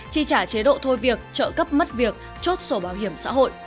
chi trả chế độ thôi việc trợ cấp mất việc chốt sổ bảo hiểm xã hội